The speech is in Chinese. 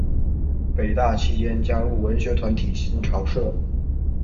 北大期间加入文学团体新潮社。